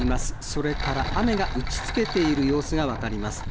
それから雨が打ちつけている様子が分かります。